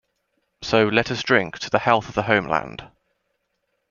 So, let us drink to the health of the homeland.